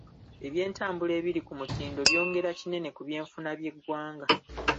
Eby'entabula ebiri ku mutindo byongera kinene ku by'enfuna by'eggwanga.